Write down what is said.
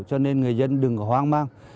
cho nên người dân đừng có hoang mang